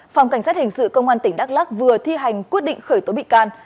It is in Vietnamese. phòng cảnh sát hình sự công an tỉnh đắk lắc vừa thi hành quyết định khởi tố bị can